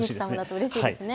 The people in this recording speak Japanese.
うれしいですね。